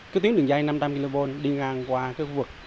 cứ tiến đường dây năm mươi tám km đi ngang qua các vùng